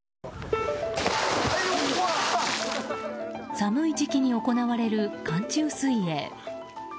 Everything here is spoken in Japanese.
寒い時期に行われる、寒中水泳。